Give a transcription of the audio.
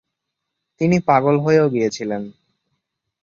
তিনি পাগল হয়েও গিয়েছিলেন।